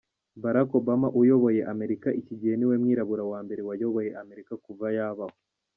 Barrack Obama uyoboye Amerika iki gihe niwe mwirabura wa mbere wayoboye Amerika kuva yabaho.